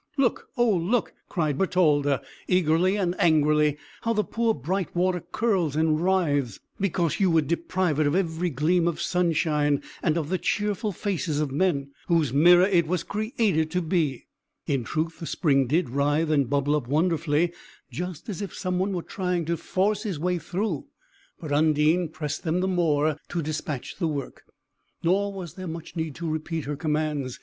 "Look, oh look!" cried Bertalda, eagerly and angrily, "how the poor bright water curls and writhes, because you would deprive it of every gleam of sunshine, and of the cheerful faces of men, whose mirror it was created to be!" In truth, the spring did writhe and bubble up wonderfully, just as if someone were trying to force his way through; but Undine pressed them the more to dispatch the work. Nor was there much need to repeat her commands.